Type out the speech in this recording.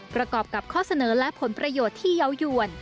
ประกอบกับข้อเสนอและผลประโยชน์ที่เยาวยวน